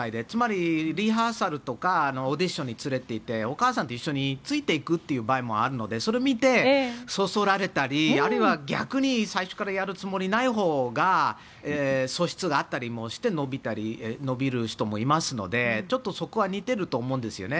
つまり、リハーサルとかオーディションに連れていってお母さんと一緒についていくという場合もあるのでそれを見てそそられたりあるいは逆に最初からやるつもりないほうが素質があったりして伸びる人もいますのでそこは似ていると思うんです。